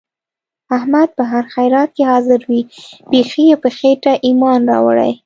احمد په هر خیرات کې حاضر وي. بیخي یې په خېټه ایمان راوړی.